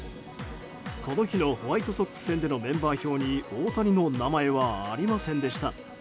この日のホワイトソックス戦でのメンバー表に大谷の名前はありませんでした。